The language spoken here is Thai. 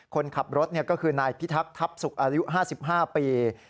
คนขับรถก็คือนายพิทักษ์ทัพสุกอายุ๕๕ปี